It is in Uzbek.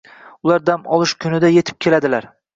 Ular dam olish kunida yetib keladilar.